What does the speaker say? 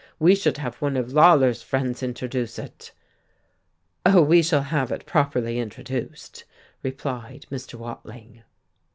"We should have one of Lawler's friends introduce it." "Oh, we shall have it properly introduced," replied Mr. Wading.